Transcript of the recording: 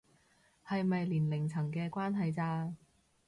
係咪年齡層嘅關係咋